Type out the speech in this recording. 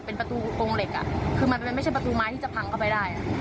เป็นประตูกงเหล็กคือมันไม่ใช่ประตูไม้ที่จะพังเข้าไปได้